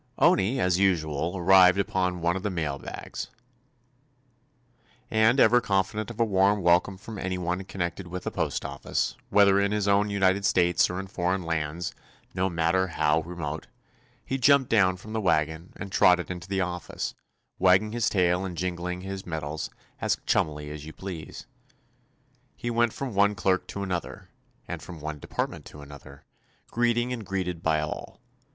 Owney, as usual, arrived upon one of the mail wagons, and, ever confi dent of a warm welcome from anyone connected with the postal service, whether in his own United States or in foreign lands no matter how re 219 THE ADVENTURES OF mote, he jumped down from the wagon and trotted into the office, wagging his tail and jingling his med als as chummily as you please. He went from one clerk to another, and from one department to another, greeting and greeted by all.